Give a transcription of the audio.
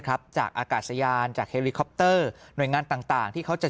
ครับจากอากาศยานจากเฮลิคอปเตอร์หน่วยงานต่างต่างที่เขาจะ